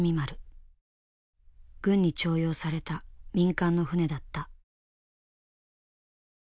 軍に徴用された民間の船だった。